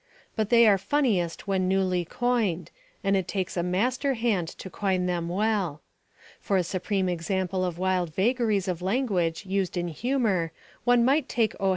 But they are funniest when newly coined, and it takes a master hand to coin them well. For a supreme example of wild vagaries of language used for humour, one might take O.